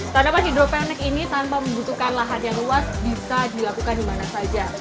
tanaman hidroponik ini tanpa membutuhkan lahan yang luas bisa dilakukan dimana saja